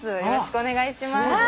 よろしくお願いします。